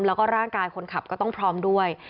แล้วก็ร่างกายคนขับก็ต้องพร้อมด้วย